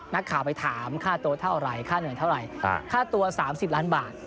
นักข่าวไปถามค่าเงยเท่าไรค่าตัว๓๐ล้านบาท